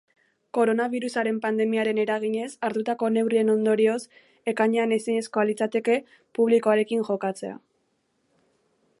Koronabirusaren pandemiaren eraginez hartutako neurrien ondorioz, ekainean ezinezkoa litzateke publikoarekin jokatzea.